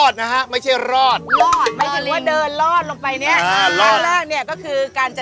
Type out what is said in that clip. การจะได้กลับมาโคราช